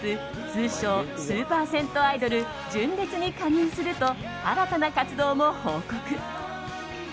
通称スーパー銭湯アイドル純烈に加入すると新たな活動も報告。